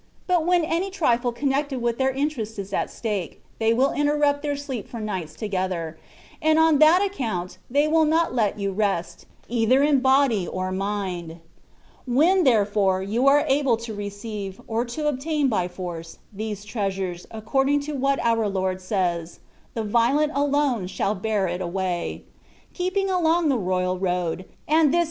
But when any trifle connected with their interest is at stake, they will interrupt their sleep for nights together, and on that account they will not let you rest, either in body or mind. When, therefore, you are about to receive, or to obtain by force, these treasures (according to what our Lord says, " The violent alone shall bear it away ")— ^keeping along the royal road, and this * These worde I have added, to make the sense clearer. 106 THE WAY OP PERFECTION.